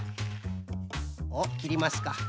おっきりますか。